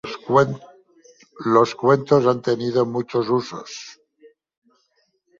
Los cuentos han tenido muchos usos.